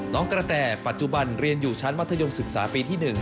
กระแต่ปัจจุบันเรียนอยู่ชั้นมัธยมศึกษาปีที่๑